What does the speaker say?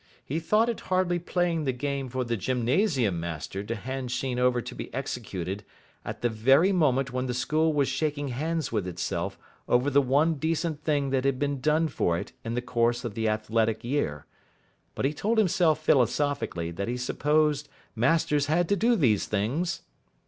He thought it hardly playing the game for the gymnasium master to hand Sheen over to be executed at the very moment when the school was shaking hands with itself over the one decent thing that had been done for it in the course of the athletic year; but he told himself philosophically that he supposed masters had to do these things.